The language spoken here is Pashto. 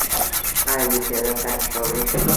ایا زه پیاده تګ کولی شم؟